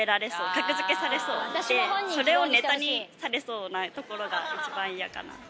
格付けされそう、で、それをネタにされそうなところが一番嫌かなって。